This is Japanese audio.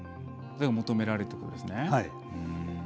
求められるところですね。